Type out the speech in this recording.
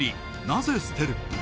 「なぜ捨てる」